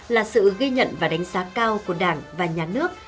là sự ghi nhận và đánh giá cao của đảng và nhà nước